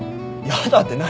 「やだ」って何？